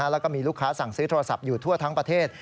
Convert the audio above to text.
แล้วก็มีลูกค้าสั่งซื้อโทรศัพท์อยู่ทั่วทั้งประเทศ